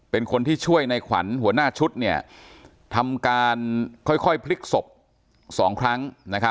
เป็นคนที่ช่วยในขวัญหัวหน้าชุดทำการค่อยพลิกศพ๒ครั้ง